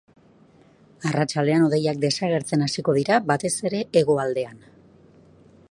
Arratsaldean hodeiak desagertzen hasiko dira, batez ere hegoaldean.